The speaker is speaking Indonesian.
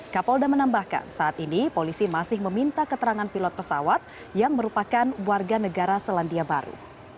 kapolda menambahkan saat ini polisi masih meminta keterangan pilot pesawat yang merupakan warga negara selandia baru